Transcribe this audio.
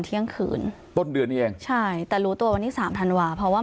เที่ยงคืนต้นเดือนนี้เองใช่แต่รู้ตัววันที่สามธันวาเพราะว่า